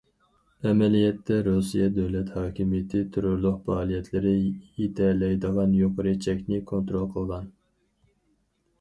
ئەمەلىيەتتە، رۇسىيە دۆلەت ھاكىمىيىتى تېررورلۇق پائالىيەتلىرى يېتەلەيدىغان يۇقىرى چەكنى كونترول قىلغان.